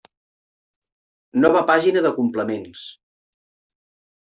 Nova pàgina de complements.